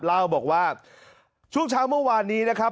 เล่าบอกว่าช่วงเช้าเมื่อวานนี้นะครับ